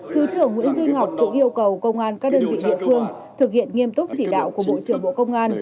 thứ trưởng nguyễn duy ngọc cũng yêu cầu công an các đơn vị địa phương thực hiện nghiêm túc chỉ đạo của bộ trưởng bộ công an